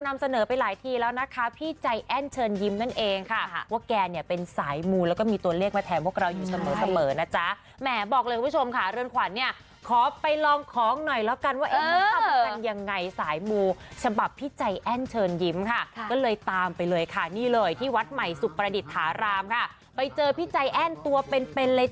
นำเสนอไปหลายทีแล้วนะคะพี่ใจแอ้นเชิญยิ้มนั่นเองค่ะว่าแกเนี่ยเป็นสายมูแล้วก็มีตัวเลขมาแทนพวกเราอยู่เสมอเสมอนะจ๊ะแหมบอกเลยคุณผู้ชมค่ะเรือนขวัญเนี่ยขอไปลองของหน่อยแล้วกันว่าเอ๊ะมันทำกันยังไงสายมูฉบับพี่ใจแอ้นเชิญยิ้มค่ะก็เลยตามไปเลยค่ะนี่เลยที่วัดใหม่สุประดิษฐารามค่ะไปเจอพี่ใจแอ้นตัวเป็นเป็นเลย